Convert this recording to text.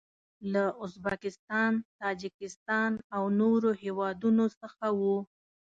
له ازبکستان، تاجکستان او نورو هیوادو څخه و.